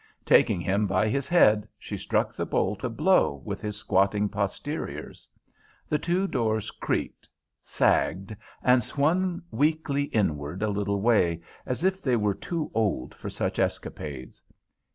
Taking him by his head, she struck the bolt a blow with his squatting posteriors. The two doors creaked, sagged, and swung weakly inward a little way, as if they were too old for such escapades.